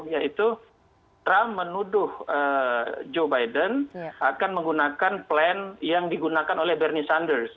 yaitu trump menuduh joe biden akan menggunakan plan yang digunakan oleh bernie sanders